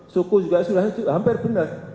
suku juga sudah hampir benar